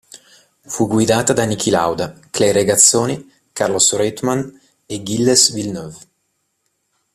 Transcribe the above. Fu guidata da Niki Lauda, Clay Regazzoni, Carlos Reutemann e Gilles Villeneuve.